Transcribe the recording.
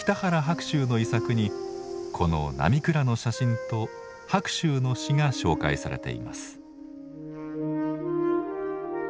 白秋の遺作にこの並倉の写真と白秋の詩が紹介されています。